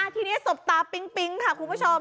ทีนี้สบตาปิ๊งค่ะคุณผู้ชม